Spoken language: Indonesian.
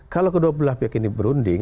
kalau kedua belah pihak ini berunding